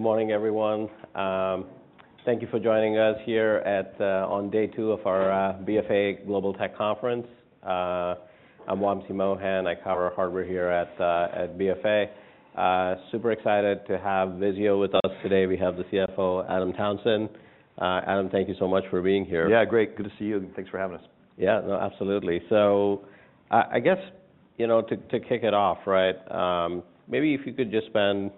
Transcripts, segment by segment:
Good morning, everyone. Thank you for joining us here at on day two of our BofA Global Tech Conference. I'm Wamsi Mohan. I cover hardware here at BofA. Super excited to have VIZIO with us today. We have the CFO, Adam Townsend. Adam, thank you so much for being here. Yeah, great. Good to see you, and thanks for having us. Yeah, no, absolutely. I guess, you know, to kick it off, right, maybe if you could just spend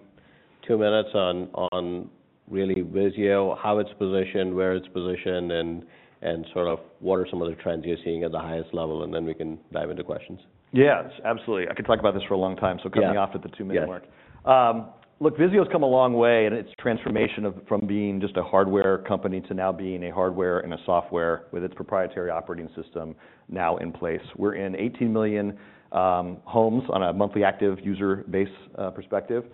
two minutes on really VIZIO, how it's positioned, where it's positioned, and sort of what are some of the trends you're seeing at the highest level, and then we can dive into questions. Yes, absolutely. I could talk about this for a long time. Yeah cutting off at the two-minute mark. Yes. Look, VIZIO's come a long way in its transformation of, from being just a hardware company to now being a hardware and a software with its proprietary operating system now in place. We're in 18 million homes on a monthly active user base perspective,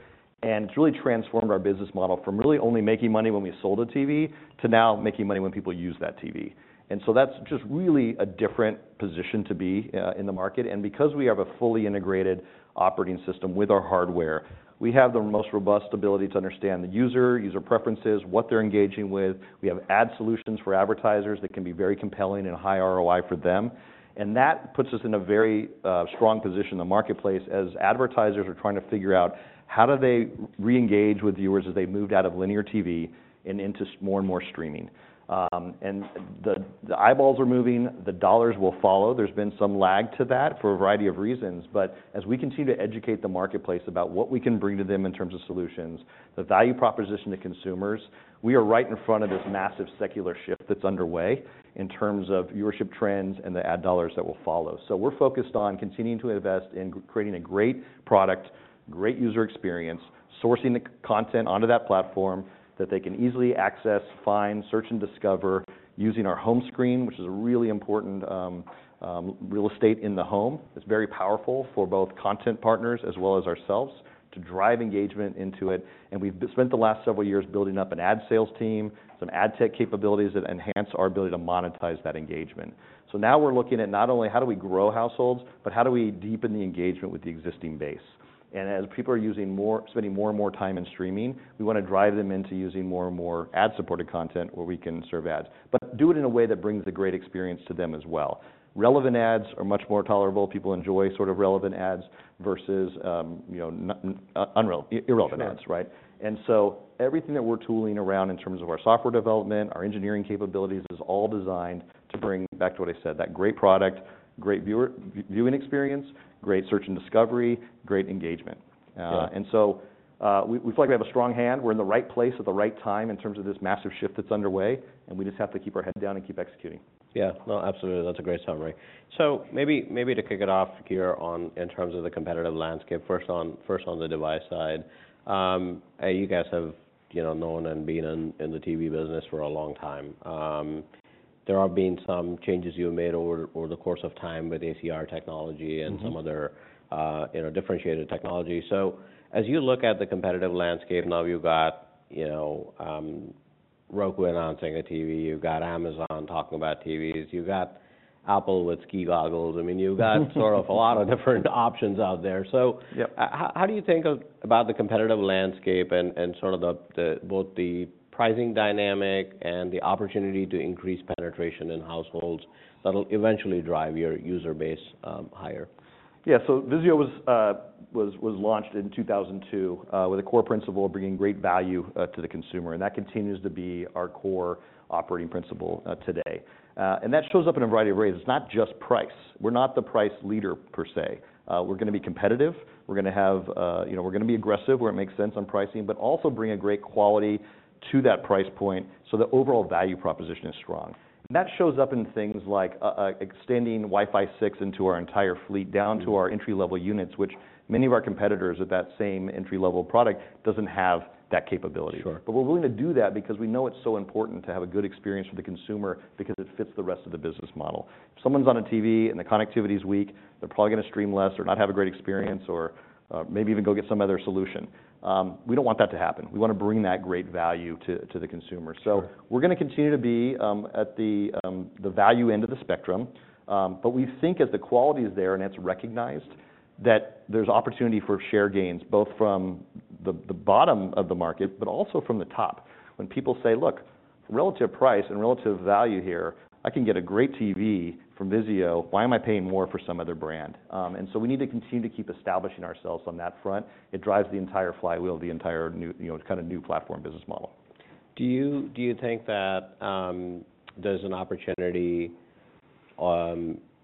and it's really transformed our business model from really only making money when we sold a TV, to now making money when people use that TV. That's just really a different position to be in the market, and because we have a fully integrated operating system with our hardware, we have the most robust ability to understand the user preferences, what they're engaging with. We have ad solutions for advertisers that can be very compelling and a high ROI for them, and that puts us in a very strong position in the marketplace as advertisers are trying to figure out how do they re-engage with viewers as they've moved out of linear TV and into more and more streaming. The eyeballs are moving, the dollars will follow. There's been some lag to that for a variety of reasons, as we continue to educate the marketplace about what we can bring to them in terms of solutions, the value proposition to consumers, we are right in front of this massive secular shift that's underway in terms of viewership trends and the ad dollars that will follow. We're focused on continuing to invest in creating a great product, great user experience, sourcing the content onto that platform that they can easily access, find, search, and discover using our home screen, which is a really important real estate in the home. It's very powerful for both content partners as well as ourselves to drive engagement into it. We've spent the last several years building up an ad sales team, some ad tech capabilities that enhance our ability to monetize that engagement. Now we're looking at not only how do we grow households, but how do we deepen the engagement with the existing base? As people are using more, spending more and more time in streaming, we wanna drive them into using more and more ad-supported content where we can serve ads, but do it in a way that brings the great experience to them as well. Relevant ads are much more tolerable. People enjoy sort of relevant ads versus, you know, irrelevant ads. Sure... right? Everything that we're tooling around in terms of our software development, our engineering capabilities, is all designed to bring back to what I said, that great product, great viewer, viewing experience, great search and discovery, great engagement. Yeah. We feel like we have a strong hand. We're in the right place at the right time in terms of this massive shift that's underway, and we just have to keep our head down and keep executing. Yeah. No, absolutely. That's a great summary. maybe to kick it off gear on in terms of the competitive landscape, first on the device side. you guys have, you know, known and been in the TV business for a long time. there are been some changes you have made over the course of time with ACR technology. Mm-hmm... and some other, you know, differentiated technology. As you look at the competitive landscape now, you've got, you know, Roku announcing a TV, you've got Amazon talking about TVs, you've got Apple with ski goggles. I mean....... sort of a lot of different options out there. Yep... how do you think about the competitive landscape and sort of the both the pricing dynamic and the opportunity to increase penetration in households that'll eventually drive your user base higher? Yeah. VIZIO was launched in 2002 with a core principle of bringing great value to the consumer, and that continues to be our core operating principle today. That shows up in a variety of ways. It's not just price. We're not the price leader per se. We're gonna be competitive. We're gonna have, you know, we're gonna be aggressive where it makes sense on pricing, but also bring a great quality to that price point so the overall value proposition is strong. That shows up in things like extending Wi-Fi 6 into our entire fleet, down to our entry-level units, which many of our competitors at that same entry-level product doesn't have that capability. Sure. We're willing to do that because we know it's so important to have a good experience for the consumer because it fits the rest of the business model. If someone's on a TV and the connectivity is weak, they're probably gonna stream less or not have a great experience. Yeah... or, maybe even go get some other solution. We don't want that to happen. We wanna bring that great value to the consumer. Sure. We're gonna continue to be at the value end of the spectrum. We think as the quality is there and it's recognized, that there's opportunity for share gains, both from the bottom of the market, but also from the top. When people say, "Look, relative price and relative value here, I can get a great TV from VIZIO. Why am I paying more for some other brand?" We need to continue to keep establishing ourselves on that front. It drives the entire flywheel, the entire new, you know, kind of new platform business model. Do you think that there's an opportunity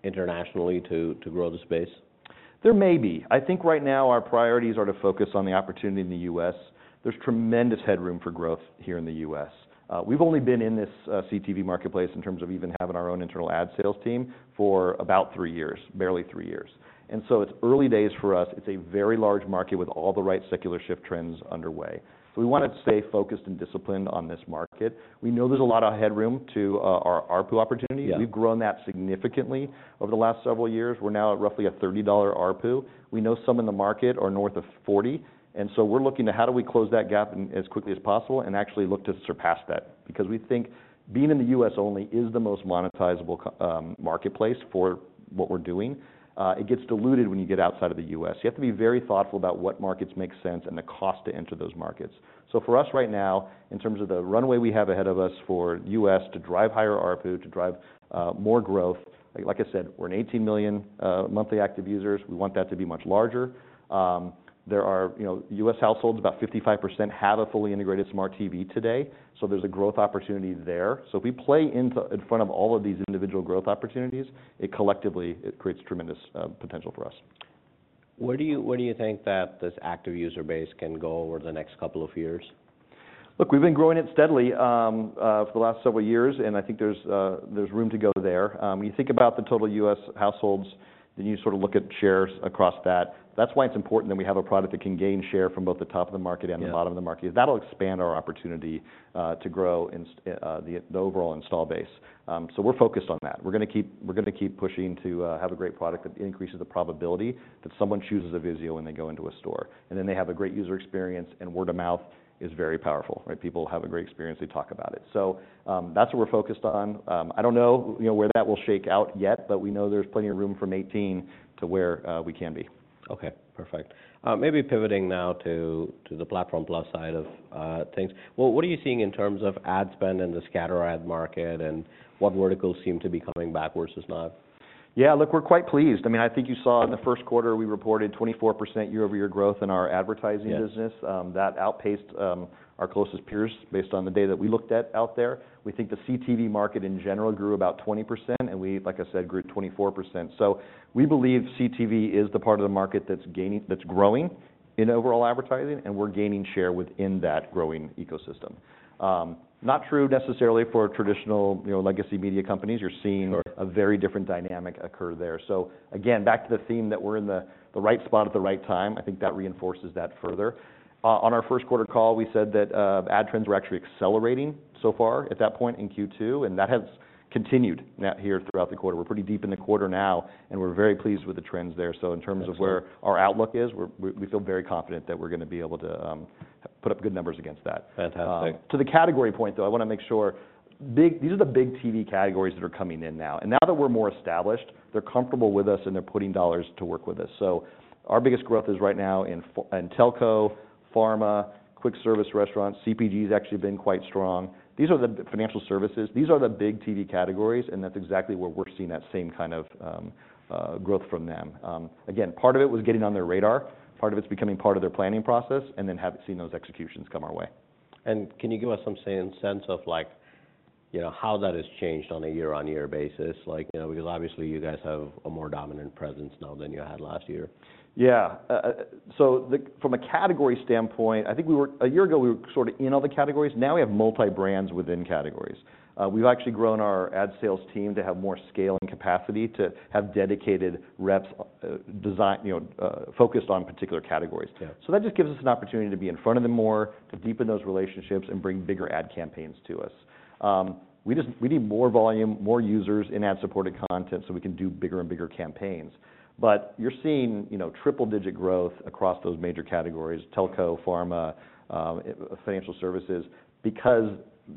internationally to grow the space? There may be. I think right now our priorities are to focus on the opportunity in the U.S. There's tremendous headroom for growth here in the U.S. We've only been in this CTV marketplace, in terms of even having our own internal ad sales team, for about three years, barely three years. It's early days for us. It's a very large market with all the right secular shift trends underway. We wanna stay focused and disciplined on this market. We know there's a lot of headroom to our ARPU opportunity. Yeah. We've grown that significantly over the last several years. We're now at roughly a $30 ARPU. We know some in the market are north of $40, we're looking to how do we close that gap as quickly as possible, actually look to surpass that. We think being in the U.S. only is the most monetizable marketplace for what we're doing. It gets diluted when you get outside of the U.S. You have to be very thoughtful about what markets make sense and the cost to enter those markets. For us right now, in terms of the runway we have ahead of us for U.S. to drive higher ARPU, to drive more growth. Like I said, we're an 18 million monthly active users. We want that to be much larger. You know, U.S. households, about 55% have a fully integrated smart TV today, so there's a growth opportunity there. If we play in front of all of these individual growth opportunities, it collectively, it creates tremendous potential for us. Where do you think that this active user base can go over the next couple of years? Look, we've been growing it steadily for the last several years, and I think there's room to go there. When you think about the total U.S. households, then you sort of look at shares across that. That's why it's important that we have a product that can gain share from both the top of the market... Yeah... and the bottom of the market. That'll expand our opportunity to grow in the overall install base. We're focused on that. We're gonna keep pushing to have a great product that increases the probability that someone chooses VIZIO when they go into a store, and then they have a great user experience, and word of mouth is very powerful, right? People have a great experience, they talk about it. That's what we're focused on. I don't know, you know, where that will shake out yet, but we know there's plenty of room from 18 to where we can be. Okay, perfect. maybe pivoting now to the Platform+ side of things. Well, what are you seeing in terms of ad spend in the scatter ad market, and what verticals seem to be coming back worse this now? Yeah, look, we're quite pleased. I mean, I think you saw in the first quarter, we reported 24% year-over-year growth in our advertising business. Yeah. That outpaced our closest peers, based on the data that we looked at out there. We think the CTV market in general grew about 20%, and we, like I said, grew 24%. We believe CTV is the part of the market that's growing in overall advertising, and we're gaining share within that growing ecosystem. Not true necessarily for traditional, you know, legacy media companies. Sure. You're seeing a very different dynamic occur there. Again, back to the theme that we're in the right spot at the right time, I think that reinforces that further. On our first quarter call, we said that, ad trends were actually accelerating so far at that point in Q2, and that has continued now here throughout the quarter. We're pretty deep in the quarter now, and we're very pleased with the trends there. Excellent. In terms of where our outlook is, we feel very confident that we're gonna be able to put up good numbers against that. Fantastic. To the category point, though, I wanna make sure. These are the big TV categories that are coming in now, and now that we're more established, they're comfortable with us, and they're putting dollars to work with us. Our biggest growth is right now in telco, pharma, quick service restaurants. CPG has actually been quite strong. These are the financial services. These are the big TV categories, and that's exactly where we're seeing that same kind of growth from them. Again, part of it was getting on their radar, part of it's becoming part of their planning process, and then having seen those executions come our way. Can you give us some sense of like, you know, how that has changed on a year-over-year basis? Like, you know, because obviously, you guys have a more dominant presence now than you had last year. From a category standpoint, I think a year ago, we were sort of in all the categories. Now, we have multi brands within categories. We've actually grown our ad sales team to have more scale and capacity to have dedicated reps, you know, focused on particular categories. Yeah. That just gives us an opportunity to be in front of them more, to deepen those relationships, and bring bigger ad campaigns to us. We need more volume, more users in ad-supported content, so we can do bigger and bigger campaigns. You're seeing, you know, triple-digit growth across those major categories: telco, pharma, financial services.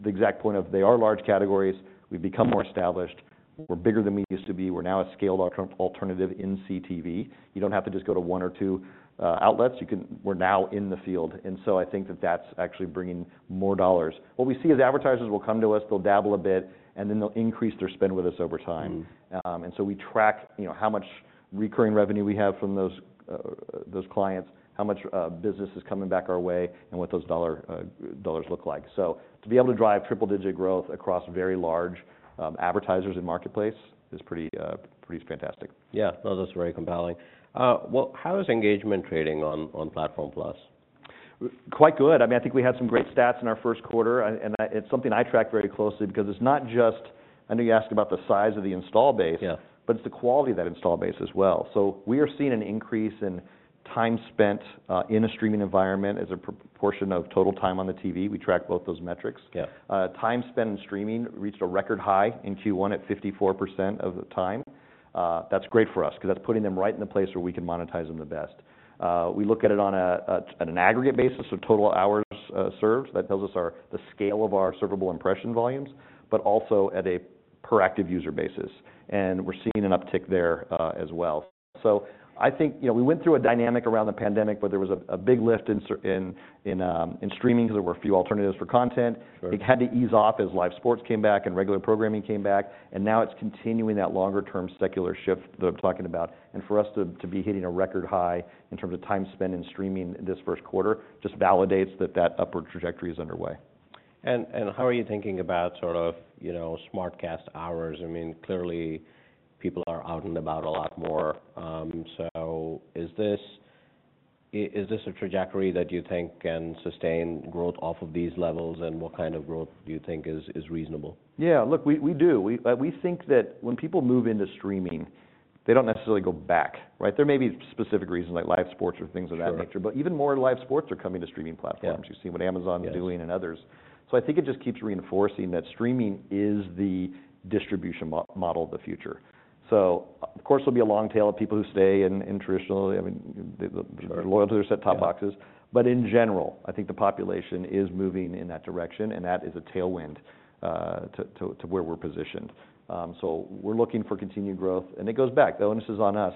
The exact point of, they are large categories, we've become more established, we're bigger than we used to be, we're now a scaled alternative in CTV. You don't have to just go to one or two outlets. We're now in the field, I think that that's actually bringing more dollars. What we see is advertisers will come to us, they'll dabble a bit, and then they'll increase their spend with us over time. Mm. We track, you know, how much recurring revenue we have from those clients, how much business is coming back our way, and what those dollars look like. To be able to drive triple-digit growth across very large advertisers and marketplace is pretty fantastic. Yeah. No, that's very compelling. well, how is engagement trading on Platform+? Quite good. I mean, I think we had some great stats in our first quarter, and, it's something I track very closely because it's not just. I know you asked about the size of the install base. Yeah... but it's the quality of that install base as well. We are seeing an increase in time spent in a streaming environment as a proportion of total time on the TV. We track both those metrics. Yeah. Time spent in streaming reached a record high in Q1 at 54% of the time. That's great for us, 'cause that's putting them right in the place where we can monetize them the best. We look at it on an aggregate basis, so total hours served. That tells us the scale of our servable impression volumes, but also at a proactive user basis, and we're seeing an uptick there as well. I think, you know, we went through a dynamic around the pandemic, where there was a big lift in streaming, because there were a few alternatives for content. Sure. It had to ease off as live sports came back and regular programming came back, now it's continuing that longer-term secular shift that I'm talking about. For us to be hitting a record high in terms of time spent in streaming in this first quarter, just validates that that upward trajectory is underway. How are you thinking about sort of, you know, SmartCast hours? I mean, clearly, people are out and about a lot more. Is this a trajectory that you think can sustain growth off of these levels, and what kind of growth do you think is reasonable? Yeah, look, we do. We think that when people move into streaming, they don't necessarily go back, right? There may be specific reasons, like live sports or things of that nature. Sure. Even more live sports are coming to streaming platforms. Yeah. You see what Amazon- Yes is doing and others. I think it just keeps reinforcing that streaming is the distribution model of the future. Of course, there'll be a long tail of people who stay in traditional. I mean. Sure... loyal to their set-top boxes. Yeah. In general, I think the population is moving in that direction, and that is a tailwind, to where we're positioned. We're looking for continued growth. It goes back. The onus is on us.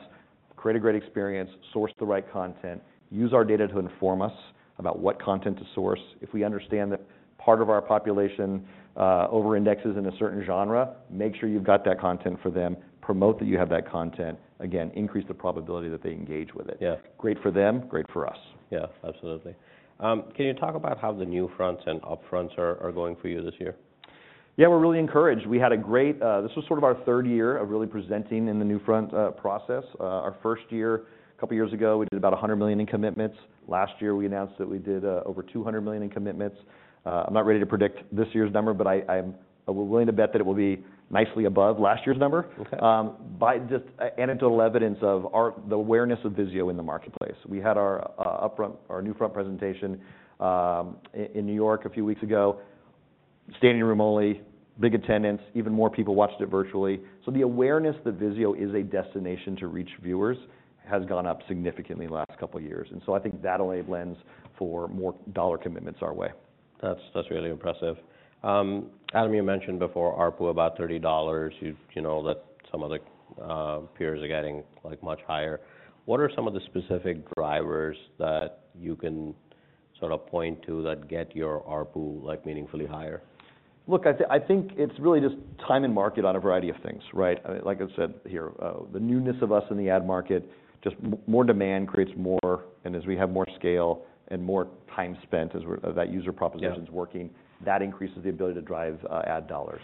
Create a great experience, source the right content, use our data to inform us about what content to source. If we understand that part of our population, over-indexes in a certain genre, make sure you've got that content for them, promote that you have that content. Again, increase the probability that they engage with it. Yeah. Great for them, great for us. Absolutely. Can you talk about how the NewFronts and upfronts are going for you this year? Yeah, we're really encouraged. We had a great. This was sort of our third year of really presenting in the NewFronts process. Our first year, a couple of years ago, we did about $100 million in commitments. Last year, we announced that we did over $200 million in commitments. I'm not ready to predict this year's number, but I'm willing to bet that it will be nicely above last year's number. Okay. By just anecdotal evidence of the awareness of VIZIO in the marketplace. We had our upfronts, our NewFronts presentation in New York a few weeks ago. Standing room only, big attendance, even more people watched it virtually. The awareness that VIZIO is a destination to reach viewers has gone up significantly in the last couple of years, I think that only lends for more dollar commitments our way. That's, that's really impressive. Adam, you mentioned before ARPU, about $30. You, you know that some of the peers are getting, like, much higher. What are some of the specific drivers that you can sort of point to that get your ARPU, like, meaningfully higher? Look, I think it's really just time and market on a variety of things, right? Like I said here, the newness of us in the ad market, just more demand creates more, and as we have more scale and more time spent, as we're that user proposition. Yeah is working, that increases the ability to drive ad dollars.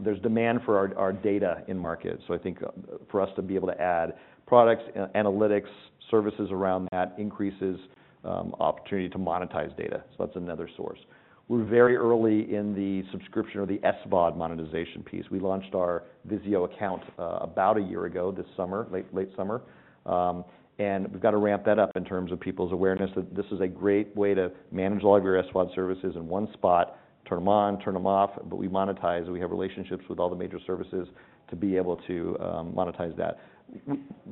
There's demand for our data in market. I think for us to be able to add products, analytics, services around that increases opportunity to monetize data. That's another source. We're very early in the subscription or the SVOD monetization piece. We launched our Vizio Account about a year ago, this summer, late summer. We've got to ramp that up in terms of people's awareness, that this is a great way to manage all of your SVOD services in one spot, turn them on, turn them off, but we monetize it. We have relationships with all the major services to be able to monetize that.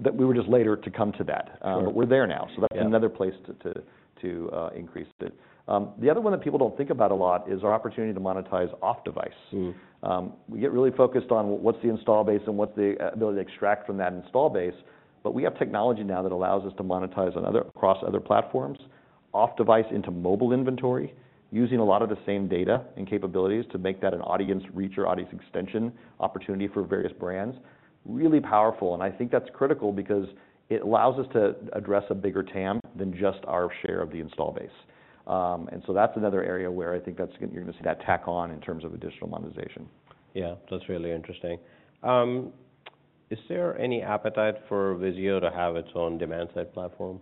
That we were just later to come to that. Sure. We're there now. Yeah. That's another place to increase it. The other one that people don't think about a lot is our opportunity to monetize off device. Mm-hmm. We get really focused on what's the install base and what's the ability to extract from that install base. We have technology now that allows us to monetize across other platforms, off device into mobile inventory, using a lot of the same data and capabilities to make that an audience reach or audience extension opportunity for various brands. Really powerful, and I think that's critical because it allows us to address a bigger TAM than just our share of the install base. That's another area where I think you're going to see that tack on in terms of additional monetization. That's really interesting. Is there any appetite for VIZIO to have its own demand-side platform?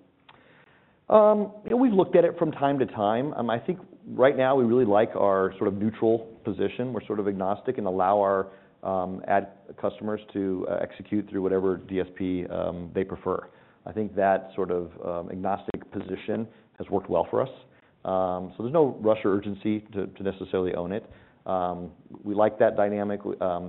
We've looked at it from time to time. I think right now we really like our sort of neutral position. We're sort of agnostic and allow our ad customers to execute through whatever DSP they prefer. I think that sort of agnostic position has worked well for us. There's no rush or urgency to necessarily own it. We like that dynamic.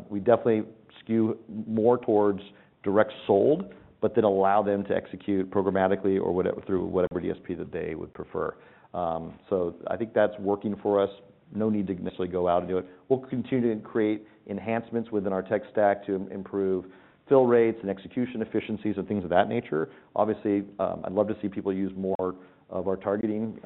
We definitely skew more towards direct sold, allow them to execute programmatically or through whatever DSP that they would prefer. I think that's working for us. No need to necessarily go out and do it. We'll continue to create enhancements within our tech stack to improve fill rates and execution efficiencies and things of that nature. Obviously, I'd love to see people use more of our targeting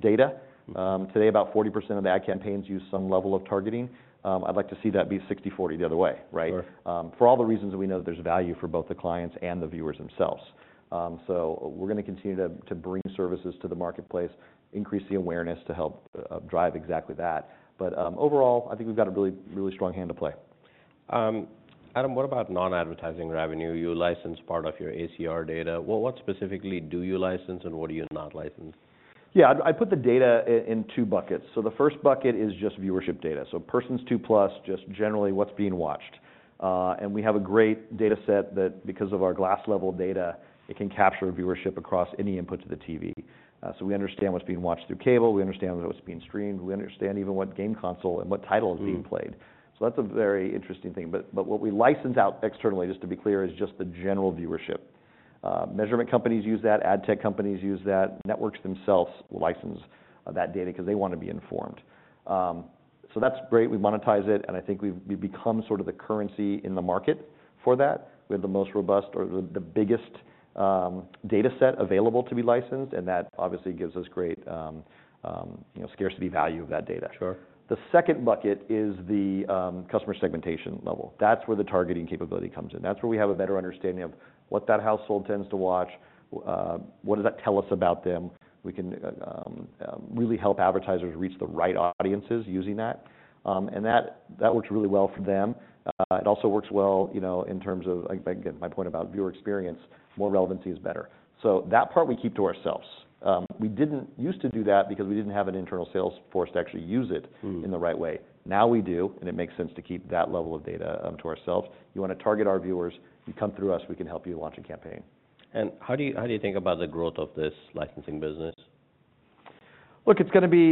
data. Today, about 40% of the ad campaigns use some level of targeting. I'd like to see that be 60/40 the other way, right? Sure. For all the reasons that we know there's value for both the clients and the viewers themselves. We're gonna continue to bring services to the marketplace, increase the awareness to help drive exactly that. Overall, I think we've got a really, really strong hand to play. Adam, what about non-advertising revenue? You license part of your ACR data. What specifically do you license, and what do you not license? I put the data in two buckets. The first bucket is just viewership data. Persons two plus, just generally what's being watched. We have a great data set that, because of our glass-level data, it can capture viewership across any input to the TV. We understand what's being watched through cable, we understand what's being streamed, we understand even what game console and what title... Mm-hmm... is being played. That's a very interesting thing. What we license out externally, just to be clear, is just the general viewership. Measurement companies use that, ad tech companies use that, networks themselves license that data because they want to be informed. That's great. We monetize it, and I think we've become sort of the currency in the market for that. We have the most robust or the biggest data set available to be licensed, and that obviously gives us great, you know, scarcity value of that data. Sure. The second bucket is the customer segmentation level. That's where the targeting capability comes in. That's where we have a better understanding of what that household tends to watch, what does that tell us about them? We can really help advertisers reach the right audiences using that. That works really well for them. It also works well, you know, in terms of, like, my point about viewer experience, more relevancy is better. That part we keep to ourselves. We didn't used to do that because we didn't have an internal sales force to actually use it. Mm. -in the right way. Now we do, and it makes sense to keep that level of data, to ourselves. You wanna target our viewers, you come through us, we can help you launch a campaign. how do you think about the growth of this licensing business? Look, it's gonna be,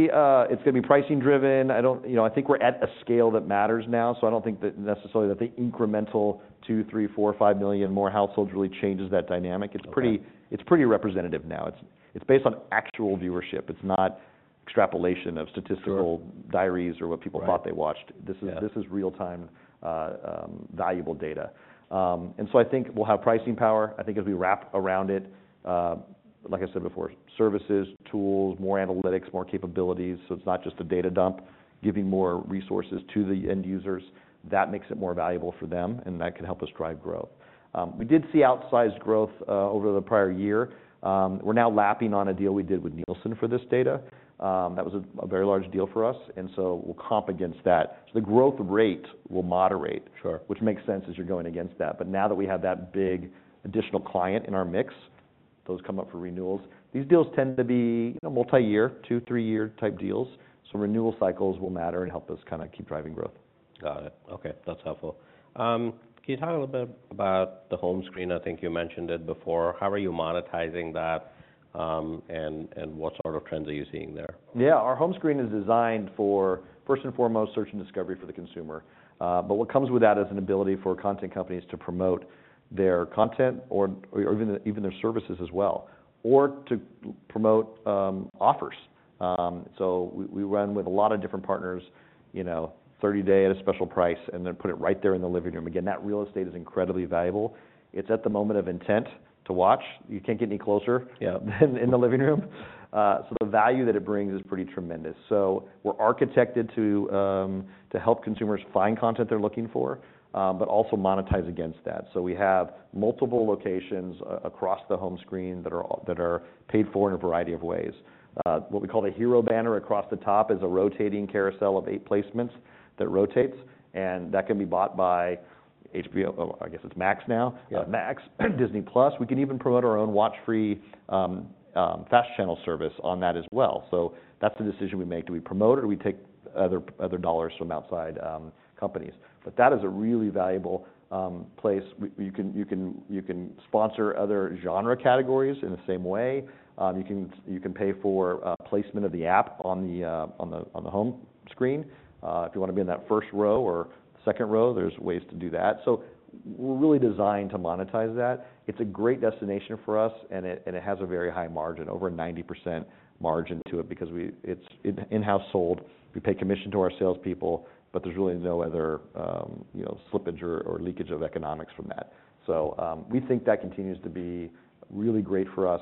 it's gonna be pricing driven. You know, I think we're at a scale that matters now, I don't think that necessarily that the incremental 2, 3, 4, 5 million more households really changes that dynamic. Okay. It's pretty representative now. It's based on actual viewership. It's not extrapolation of. Sure... diaries or what people thought they watched. Right. Yeah. This is real time valuable data. I think we'll have pricing power, I think, as we wrap around it. Like I said before, services, tools, more analytics, more capabilities, so it's not just a data dump. Giving more resources to the end users, that makes it more valuable for them, and that can help us drive growth. We did see outsized growth over the prior year. We're now lapping on a deal we did with Nielsen for this data. That was a very large deal for us, we'll comp against that. The growth rate will moderate. Sure... which makes sense as you're going against that. Now that we have that big additional client in our mix, those come up for renewals. These deals tend to be, you know, multi-year, two, three-year type deals, so renewal cycles will matter and help us kinda keep driving growth. Got it. Okay, that's helpful. Can you talk a little bit about the home screen? I think you mentioned it before. How are you monetizing that, and what sort of trends are you seeing there? Yeah. Our home screen is designed for, first and foremost, search and discovery for the consumer. What comes with that is an ability for content companies to promote their content or even their services as well, or to promote offers. We run with a lot of different partners, you know, 30 day at a special price, and then put it right there in the living room. Again, that real estate is incredibly valuable. It's at the moment of intent to watch. You can't get any closer. Yeah... than in the living room. The value that it brings is pretty tremendous. We're architected to to help consumers find content they're looking for, but also monetize against that. We have multiple locations across the home screen that are that are paid for in a variety of ways. What we call the Hero Banner across the top is a rotating carousel of 8 placements that rotates, and that can be bought by HBO- I guess it's Max now. Yeah. Max, Disney+. We can even promote our own WatchFree+ FAST channel service on that as well. That's the decision we make. Do we promote, or we take other dollars from outside companies? That is a really valuable place. You can sponsor other genre categories in the same way. You can pay for placement of the app on the home screen. If you wanna be in that first row or second row, there's ways to do that. We're really designed to monetize that. It's a great destination for us, and it has a very high margin, over 90% margin to it because it's in-house sold. We pay commission to our salespeople. There's really no other, you know, slippage or leakage of economics from that. We think that continues to be really great for us.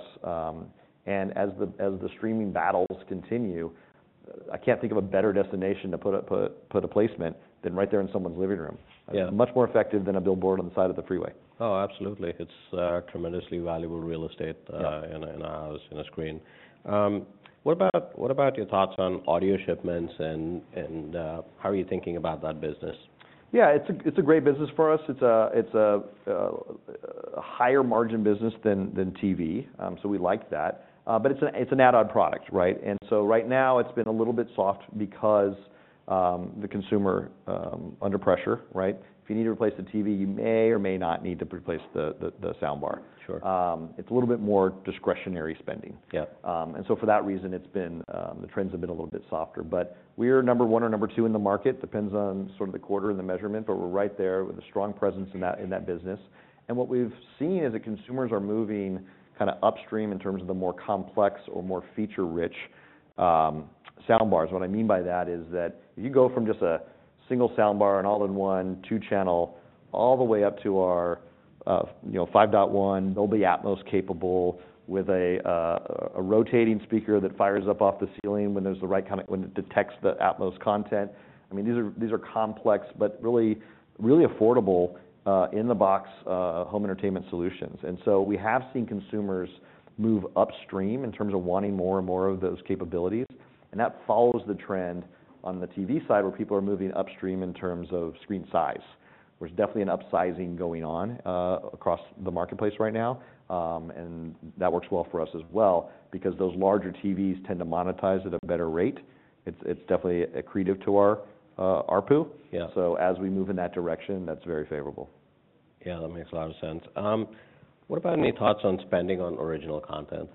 As the streaming battles continue, I can't think of a better destination to put a placement than right there in someone's living room. Yeah. Much more effective than a billboard on the side of the freeway. Oh, absolutely. It's tremendously valuable real estate. Yeah... in a screen. What about your thoughts on audio shipments and how are you thinking about that business? Yeah, it's a great business for us. It's a higher margin business than TV. We like that. It's an add-on product, right? Right now, it's been a little bit soft because the consumer under pressure, right? If you need to replace the TV, you may or may not need to replace the sound bar. Sure. It's a little bit more discretionary spending. Yeah. For that reason, it's been, the trends have been a little bit softer. We are number one or number two in the market, depends on sort of the quarter and the measurement, but we're right there with a strong presence in that, in that business. What we've seen is that consumers are moving kind of upstream in terms of the more complex or more feature-rich soundbars. What I mean by that is that if you go from just a single soundbar, an all-in-one, 2-channel, all the way up to our 5.1 Dolby Atmos-capable with a rotating speaker that fires up off the ceiling when it detects the Dolby Atmos content. These are complex but really, really affordable, in-the-box home entertainment solutions. We have seen consumers move upstream in terms of wanting more and more of those capabilities, and that follows the trend on the TV side, where people are moving upstream in terms of screen size. There's definitely an upsizing going on across the marketplace right now. That works well for us as well because those larger TVs tend to monetize at a better rate. It's definitely accretive to our RPU. Yeah. As we move in that direction, that's very favorable. Yeah, that makes a lot of sense. What about any thoughts on spending on original content?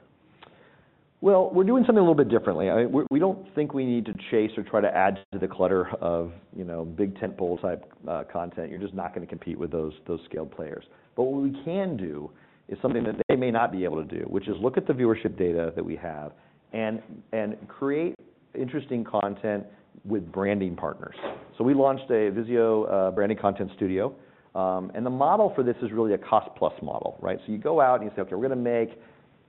Well, we're doing something a little bit differently. We don't think we need to chase or try to add to the clutter of, you know, big tentpole-type content. You're just not gonna compete with those scaled players. What we can do is something that they may not be able to do, which is look at the viewership data that we have and create interesting content with branding partners. We launched a VIZIO branding content studio, and the model for this is really a cost-plus model, right? You go out, and you say, "Okay, we're gonna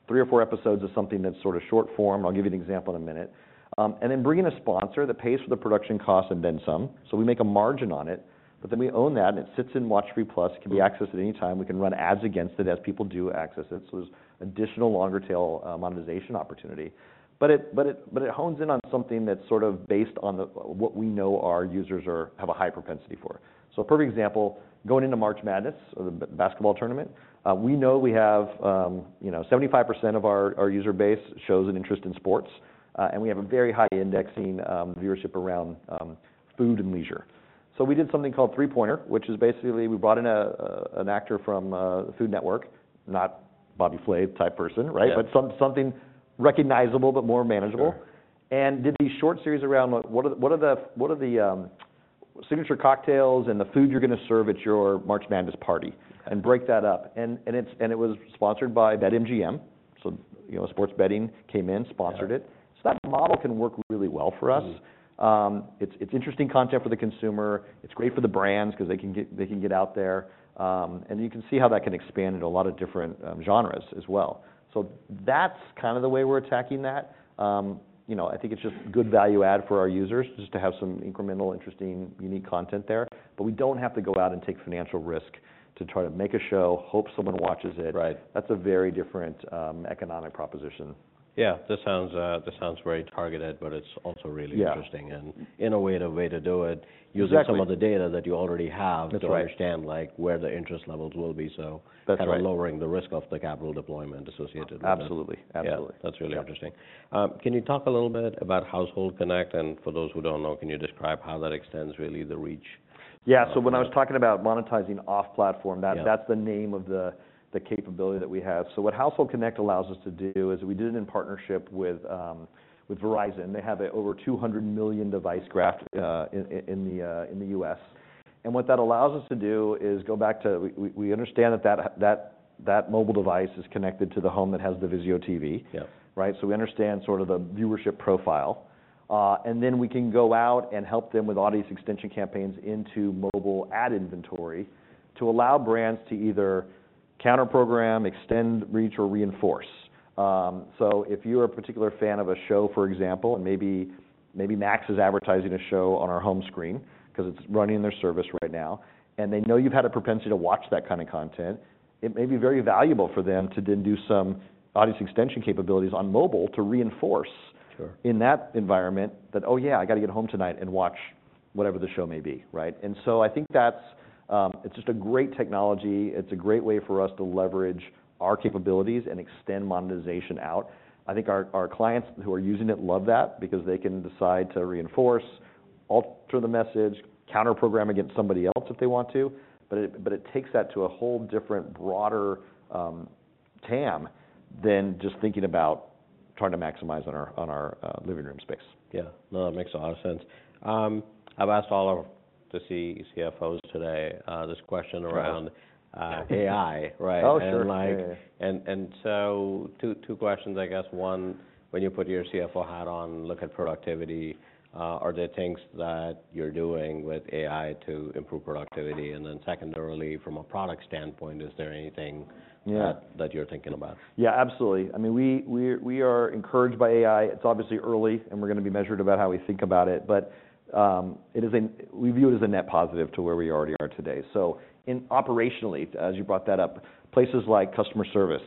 three or four episodes of something that's sort of short form. I'll give you an example in a minute. Bring in a sponsor that pays for the production cost and then some, so we make a margin on it. We own that, and it sits in WatchFree+. It can be accessed at any time. We can run ads against it as people do access it, so there's additional longer tail monetization opportunity. It hones in on something that's sort of based on what we know our users have a high propensity for. A perfect example, going into March Madness, or the basketball tournament, we know we have, you know, 75% of our user base shows an interest in sports. We have a very high indexing viewership around food and leisure. We did something called 3 Pointer, which is basically, we brought in an actor from the Food Network, not Bobby Flay type person, right? Yeah. something recognizable, but more manageable. Sure. Did these short series around what are the signature cocktails and the food you're gonna serve at your March Madness party, and break that up. It was sponsored by BetMGM, so, you know, sports betting came in, sponsored it. Yeah. That model can work really well for us. Mm. It's interesting content for the consumer, it's great for the brands 'cause they can get out there. You can see how that can expand into a lot of different genres as well. That's kind of the way we're attacking that. You know, I think it's just good value add for our users, just to have some incremental, interesting, unique content there. We don't have to go out and take financial risk to try to make a show, hope someone watches it. Right. That's a very different, economic proposition. Yeah. This sounds, this sounds very targeted, but it's also really interesting. Yeah... and in a way, the way to do it... Exactly... using some of the data that you already have. That's right.... to understand, like, where the interest levels will be. That's right.... kind of lowering the risk of the capital deployment associated with it. Absolutely. Absolutely. Yeah. That's really interesting. Yeah. Can you talk a little bit about Household Connect? For those who don't know, can you describe how that extends, really, the reach? Yeah, when I was talking about monetizing off-platform. Yeah... that's the name of the capability that we have. What Household Connect allows us to do is, we did it in partnership with Verizon. They have a over 200 million device graph-. Sure... in the, in the U.S. What that allows us to do is go back to... We understand that mobile device is connected to the home that has the VIZIO TV. Yeah. Right? We understand sort of the viewership profile. Then we can go out and help them with audience extension campaigns into mobile ad inventory, to allow brands to either counter-program, extend, reach, or reinforce. If you're a particular fan of a show, for example, and maybe Max is advertising a show on our home screen, 'cause it's running their service right now, and they know you've had a propensity to watch that kind of content, it may be very valuable for them to then do some audience extension capabilities on mobile to reinforce. Sure... in that environment, that, "Oh yeah, I gotta get home tonight and watch..." whatever the show may be, right? I think that's, it's just a great technology. It's a great way for us to leverage our capabilities and extend monetization out. I think our clients who are using it love that, because they can decide to reinforce, alter the message, counter-program against somebody else if they want to, but it takes that to a whole different, broader, TAM than just thinking about trying to maximize on our living room space. Yeah. No, that makes a lot of sense. I've asked all of the CFOs today, this question around. Sure AI, right? Oh, sure. And like- Yeah. Two questions, I guess. One, when you put your CFO hat on, look at productivity, are there things that you're doing with AI to improve productivity? Secondarily, from a product standpoint, is there anything? Yeah... that you're thinking about? Absolutely. I mean, we are encouraged by AI. It's obviously early, and we're gonna be measured about how we think about it. We view it as a net positive to where we already are today. In operationally, as you brought that up, places like customer service,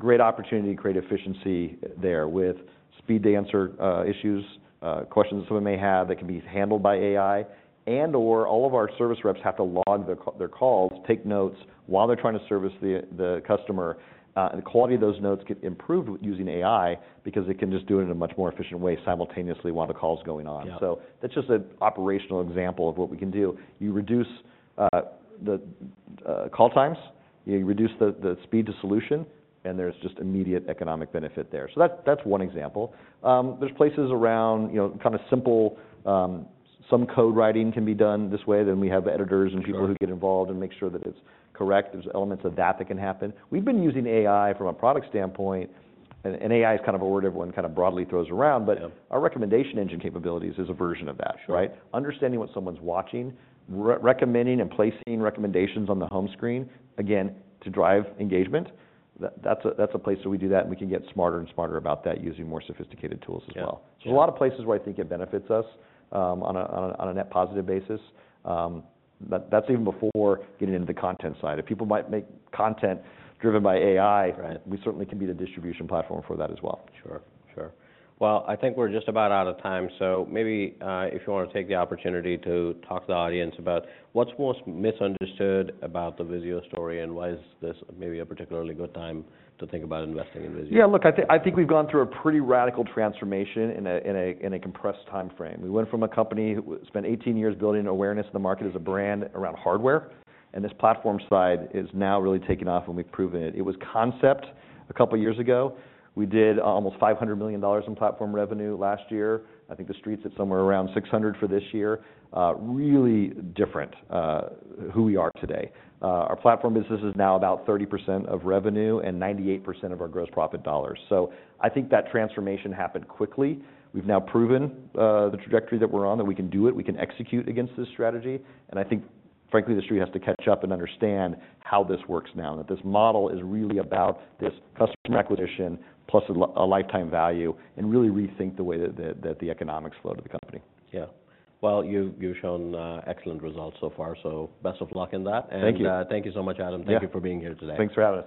great opportunity to create efficiency there with speed to answer issues, questions someone may have, that can be handled by AI, and/or all of our service reps have to log their calls, take notes while they're trying to service the customer. The quality of those notes get improved with using AI, because it can just do it in a much more efficient way simultaneously while the call's going on. Yeah. That's just an operational example of what we can do. You reduce the call times, you reduce the speed to solution, and there's just immediate economic benefit there. That, that's one example. There's places around, you know, kinda simple, some code writing can be done this way, then we have editors. Sure... and people who get involved and make sure that it's correct. There's elements of that that can happen. We've been using AI from a product standpoint, and AI is kinda a word everyone kinda broadly throws around. Yeah. Our recommendation engine capabilities is a version of that. Sure. Right? Understanding what someone's watching, recommending and placing recommendations on the home screen, again, to drive engagement. That's a place that we do that, and we can get smarter and smarter about that, using more sophisticated tools as well. Yeah. Yeah. A lot of places where I think it benefits us, on a net positive basis. That's even before getting into the content side. If people might make content driven by AI Right... we certainly can be the distribution platform for that as well. Sure. Sure. Well, I think we're just about out of time, so maybe, if you wanna take the opportunity to talk to the audience about what's most misunderstood about the VIZIO story, and why is this maybe a particularly good time to think about investing in VIZIO? Look, I think we've gone through a pretty radical transformation in a compressed timeframe. We went from a company spent 18 years building awareness in the market as a brand around hardware. This Platform+ side is now really taking off. We've proven it. It was concept a couple of years ago. We did almost $500 million in Platform+ revenue last year. I think the street's at somewhere around $600 million for this year. Really different who we are today. Our Platform+ business is now about 30% of revenue and 98% of our gross profit dollars. I think that transformation happened quickly. We've now proven the trajectory that we're on, that we can do it, we can execute against this strategy. I think, frankly, the street has to catch up and understand how this works now, and that this model is really about this customer acquisition plus a lifetime value, and really rethink the way that the economics flow to the company. Yeah. You've shown excellent results so far, so best of luck in that. Thank you. Thank you so much, Adam. Yeah. Thank you for being here today. Thanks for having us.